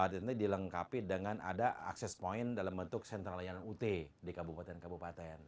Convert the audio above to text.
dan dilengkapi dengan ada access point dalam bentuk sentral layanan ut di kabupaten kabupaten